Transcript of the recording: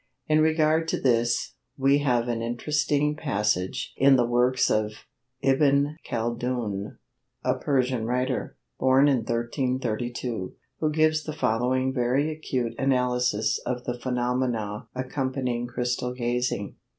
In regard to this, we have an interesting passage in the works of Ibn Kaldoun, a Persian writer, born in 1332, who gives the following very acute analysis of the phenomena accompanying crystal gazing.